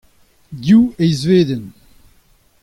Div eizvedenn.